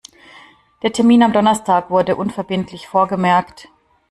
Der Termin am Donnerstag wurde unverbindlich vorgemerkt.